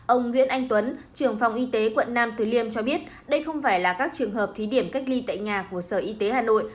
ông nguyễn anh tuấn trưởng phòng y tế quận nam từ liêm cho biết đây không phải là các trường hợp thí điểm cách ly tại nhà của sở y tế hà nội